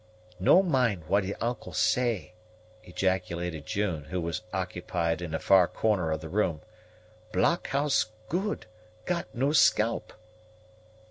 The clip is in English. "No mind what'e uncle say," ejaculated June, who was occupied in a far corner of the room. "Blockhouse good got no scalp."